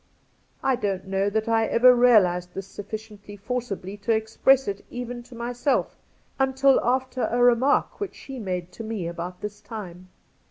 I Cassidy * 151 don't know that I ever realized this sufficiently forcibly to express it even to myself until after a remark which she made to me about this time.